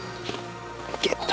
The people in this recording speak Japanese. ゲット！